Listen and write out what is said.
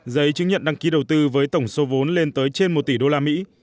giấy chứng nhận đăng ký đầu tư với tổng số vốn lên tới trên một tỷ đô la mỹ